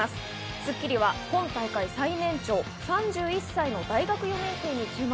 『スッキリ』は今大会最年長３１歳の大学４年生に注目。